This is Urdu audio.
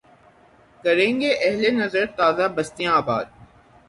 کریں گے اہل نظر تازہ بستیاں آباد